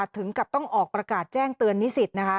ถึงกับต้องออกประกาศแจ้งเตือนนิสิต